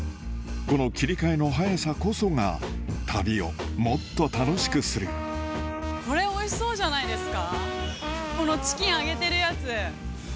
この切り替えの早さこそが旅をもっと楽しくするめっちゃおいしそうじゃないですか。